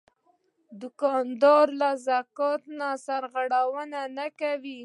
دوکاندار له زکات نه سرغړونه نه کوي.